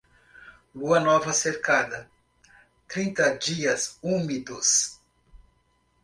Lua nova cercada, trinta dias úmidos.